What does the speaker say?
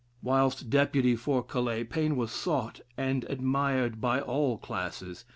Whilst Deputy for Calais, Paine was sought and admired by all classes.